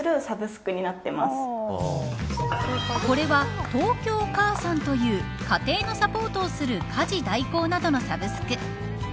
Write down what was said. これは東京かあさんという家庭のサポートをする家事代行などのサブスク。